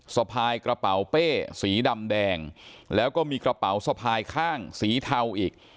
สะพายกระเป๋าเป้สีดำแดงแล้วก็มีกระเป๋าสะพายข้างสีเทาอีก